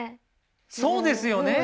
そうですよね！